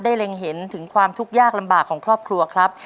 เล็งเห็นถึงความทุกข์ยากลำบากของครอบครัวครับ